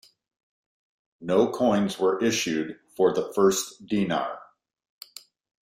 No coins were issued for the first denar.